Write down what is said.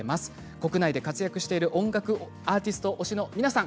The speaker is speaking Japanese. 国内で活躍してる音楽アーティスト推しの皆さん